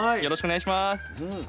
よろしくお願いします。